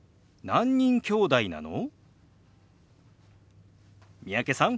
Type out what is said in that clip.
何人きょうだいなの？